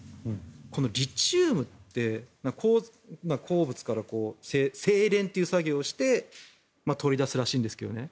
このリチウムって、鉱物から精錬という作業をして取り出すらしいんですけどね